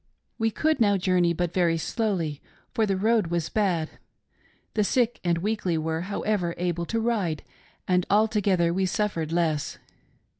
"We could now journey but very slowly, for the road was bad, the sick and weakly were, however, able to ride, and altogether we suffered less.